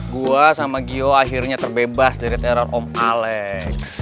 gua sama gio akhirnya terbebas dari teror om alex